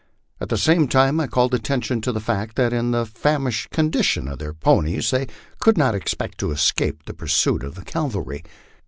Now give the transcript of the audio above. At the same time I called attention to the fact that in the famished condition of their ponies they could not expect to escape the pursuit of the cavalry.